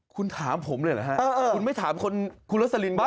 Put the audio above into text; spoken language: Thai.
คุณถามผมเลยเหรอฮะคุณไม่ถามคนคุณรสลินก่อนเหรอฮะ